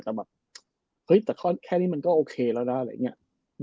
เจออาจจะแบบแค่นี้มันก็โอเคแล้วนะอะไรเงี้ย